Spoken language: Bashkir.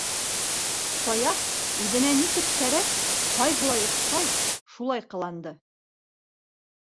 Саяф үҙенә нисек кәрәк, ҡайһылай оҡшай - шулай ҡыланды.